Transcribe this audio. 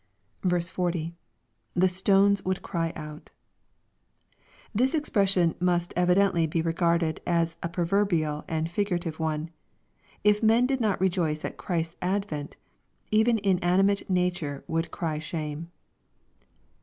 40. — [TTie stones would cry out] This expression must evidently be regarded as a proverbial and figurative one. If men did not re joice at Christ's advent, even inanimate nature would cry shame.